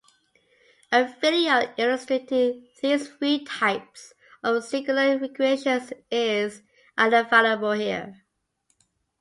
A video illustrating these three types of singular configurations is available here.